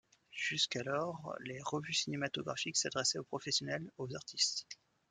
Jusqu'alors, les revues cinématographiques s’adressaient aux professionnels, aux artistes.